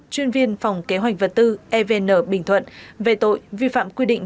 chuyên viên phòng kế hoạch vật tư evn bình thuận về tội vi phạm quy định